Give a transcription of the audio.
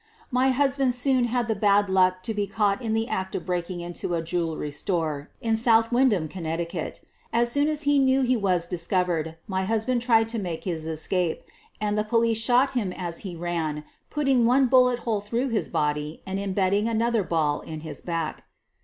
My husband soon had the bad luck to be caught in the act of breaking into a jewelry store in South Windham, Conn. As soon as he knew he was dis covered, my husband tried to make his escape, and the police shot him as he ran, putting one bullet hole through his .body and imbedding another ball in his back.